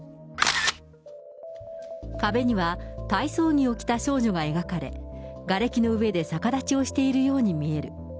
壁には体操着を着た少女が描かれ、がれきの上で逆立ちをしているように見える。